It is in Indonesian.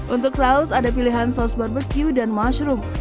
untuk saus ada pilihan saus barbecue dan mushroom